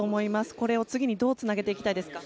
これを次にどうつなげていきたいですか？